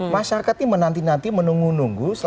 masyarakat ini menanti nanti menunggu nunggu